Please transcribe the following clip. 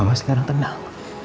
mama sekarang tenang